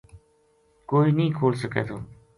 کوئی نیہہ کھول سکے تھو